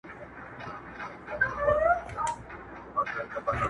سمدلاه یې و سپي ته قبر جوړ کی-